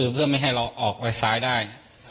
เพื่อไม่ให้เราออกไปซ้ายได้